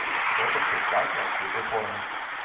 Гэта спектакль адкрытай формы.